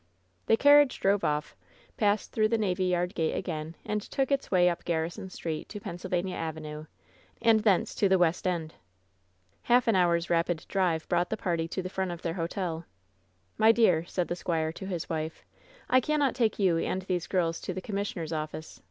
The carriage drove off, passed through the navy yard gate again, and took its way up Garrison Street to Penn sylvania Avenue, and thence to the West End. Half an hour's rapid drive brought the party to the front of their hotel. "My dear," said the squire to his wife, "I cannot take you and these girls to the commissioner's office.